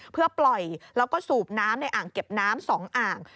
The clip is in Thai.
เพื่อปล่อยแล้วก็สูบน้ำในอ่างเก็บน้ำ๒อ่าง